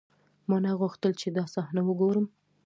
ما نه غوښتل چې دا صحنه وګورم.